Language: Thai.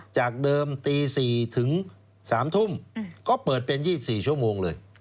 จากเดิมตี๔ถึง๓ทุ่มก็เปิดเป็น๒๔ชั่วโมงเลย